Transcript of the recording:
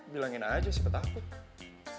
bilangin aja si petakut